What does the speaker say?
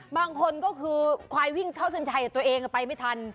บางคนก็คือควายวิ่งเข้าเส้นชัยกับตัวเองไปไม่ทัน